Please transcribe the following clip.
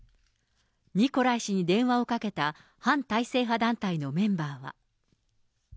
ニコライ氏に電話をかけた反体制派団体のメンバーは。